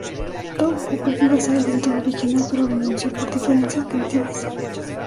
Tobe Hooper iba a ser el director original pero renunció por "diferencias creativas".